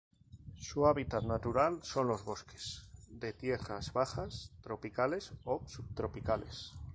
Su hábitat natural son los bosques de tierras bajas tropicales o subtropicales.